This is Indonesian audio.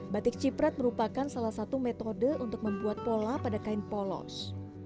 batik ciprat merupakan salah satu metode untuk membuat pola pada kain polos